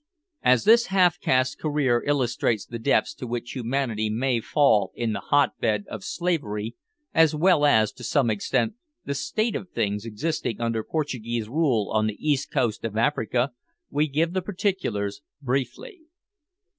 As this half caste's career illustrates the depths to which humanity may fall in the hot bed of slavery, as well as, to some extent, the state of things existing under Portuguese rule on the east coast of Africa, we give the particulars briefly.